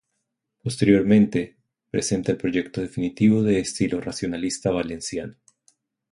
Posteriormente, presenta el proyecto definitivo de estilo racionalista valenciano.